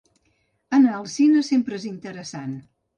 Anar al cine sempre és interessant.